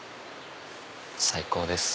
最高です。